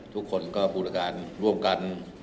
ทุกคนก็รู้กันรวมกัน